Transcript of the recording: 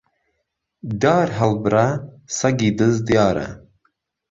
دار ههڵبڕه سهگی دز دیاره